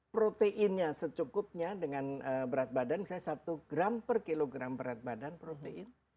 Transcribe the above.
proteinnya secukupnya dengan berat badan misalnya satu gram per kilogram berat badan protein